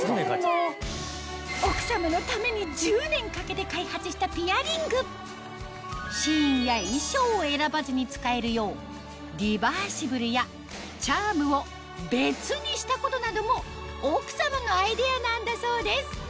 奥様のために１０年かけて開発したピアリングシーンや衣装を選ばずに使えるようリバーシブルやチャームを別にしたことなども奥様のアイデアなんだそうです